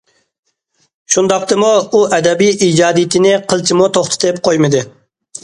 شۇنداقتىمۇ، ئۇ ئەدەبىي ئىجادىيىتىنى قىلچىمۇ توختىتىپ قويمىدى.